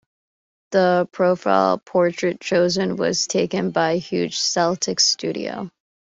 The profile portrait chosen was taken by Hugh Cecil's studio.